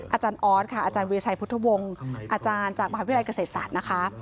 อาจารย์ออสค่ะอาจารย์วีรชัยพุทธวงศ์อาจารย์จากมหาวิทยาลัยเกษตรศาสตร์นะคะ